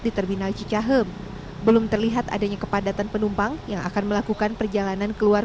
di terminal cicahem belum terlihat adanya kepadatan penumpang yang akan melakukan perjalanan keluar